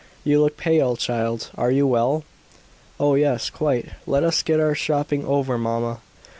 "You look pale, child. Are you well?" "Oh, yes, quite. Let us get our shopping over, mamma."